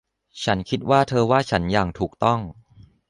ฉันคิดว่าเธอว่าฉันอย่างถูกต้อง